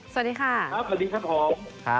สวัสดีค่ะ